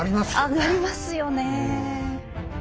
上がりますよねえ。